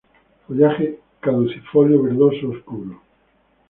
Follaje caducifolio verdoso oscuro.